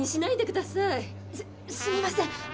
すみません。